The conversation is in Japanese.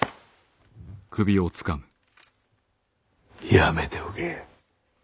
やめておけ。